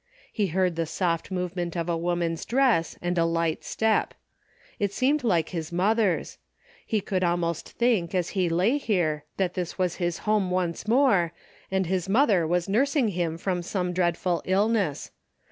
He heard the soft movement of a woman's dress, and a light step. It seemed like his mother's. He could almost think as he lay here that this was his home once more, and his mother was nursing him from some dreadful illness.